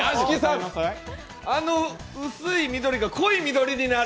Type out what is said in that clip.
あの薄い緑が濃い緑になる？